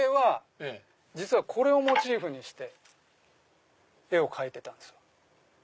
実はこれをモチーフにして絵を描いてたんですよ。